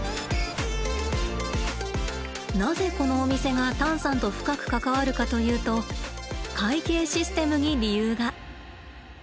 なぜこのお店がタンさんと深く関わるかというと会計システムに理由が。